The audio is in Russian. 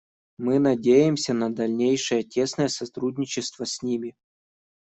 Мы надеемся на дальнейшее тесное сотрудничество с ним.